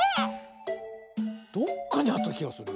どっかにあったきがする。